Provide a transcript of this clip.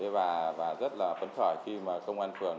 và rất là phấn khởi khi mà công an phường thanh xuân nam